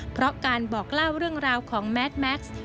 เพราะการบอกเล่าเรื่องราวของแมทแม็กซ์